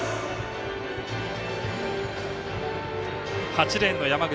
８レーンの山口。